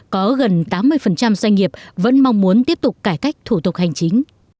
có gần tám mươi doanh nghiệp vẫn mong muốn tiếp tục cải cách thủ tục hành chính